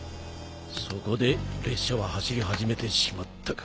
そこで列車は走り始めてしまったか。